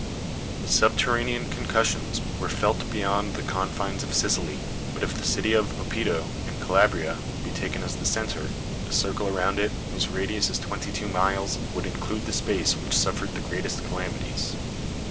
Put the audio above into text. The subterranean concussions were felt beyond the confines of Sicily; but if the city of Oppido, in Calabria, be taken as the center, a circle around it, whose radius is twenty two miles, would include the space which suffered the greatest calamities.